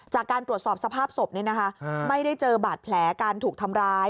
จากการตรวจสอบสภาพศพไม่ได้เจอบาดแผลการถูกทำร้าย